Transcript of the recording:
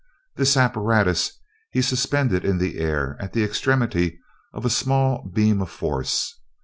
This apparatus he suspended in the air at the extremity of a small beam of force.